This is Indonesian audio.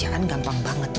aksan kamu jangan bego ya